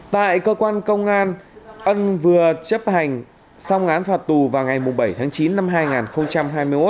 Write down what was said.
tại cơ quan công an ân vừa chấp hành xong án phạt tù vào ngày bảy tháng chín năm hai nghìn hai mươi một